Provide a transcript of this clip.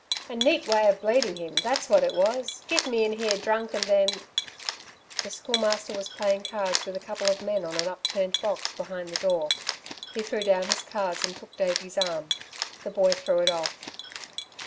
A neat way of bleeding him, that's what it was. Getting me in here drunk and then " The Schoolmaster was playing cards with a couple of men on an upturned box behind the door. He threw down his cards and took Davey's arm. The boy threw it off.